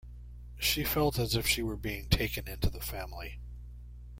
She felt as if she were being taken into the family.